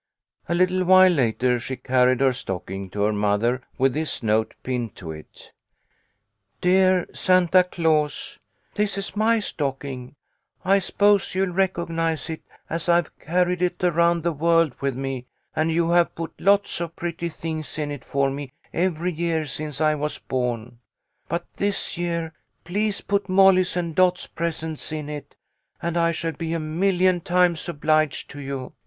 A little while later she carried her stocking to her mother with this note pinned to it :" DEAR SANTA CLAUS : This is my stocking. I s'pose you'll recognise it, as I've carried it around the world with me, and you have put lots of pretty things in it for me every year since I was born. But this year please put Molly's and Dot's presents in it, and I shall be a million times obliged to you.